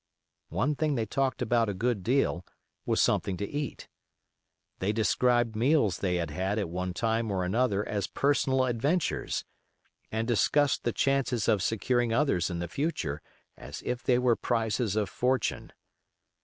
One thing they talked about a good deal was something to eat. They described meals they had had at one time or another as personal adventures, and discussed the chances of securing others in the future as if they were prizes of fortune.